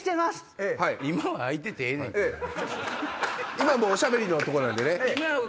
今もうおしゃべりのとこなんでね。